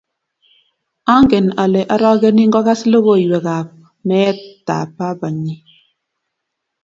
angen ale arageni ngokas lokoywekap meetap babanyi